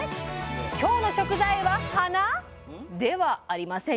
今日の食材は花⁉ではありませんよ！